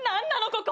ここ。